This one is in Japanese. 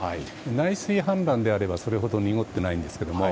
内水氾濫であればそれほど濁っていないんですが。